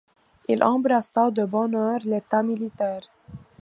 Il embrassa de bonne heure l'état militaire.